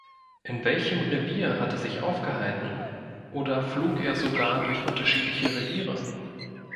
In welchem Revier hat er sich aufgehalten, oder flog er sogar durch unterschiedliche Reviere?